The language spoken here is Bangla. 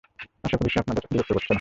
আশা করি, সে আপনাদের বিরক্ত করছে না।